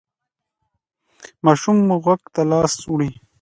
ماشوم مو غوږ ته لاس وړي؟